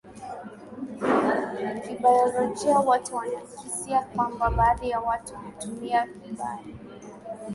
kibayolojiawote wanakisia kwamba baadhi ya watu hutumia vibaya